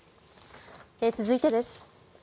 続いてです。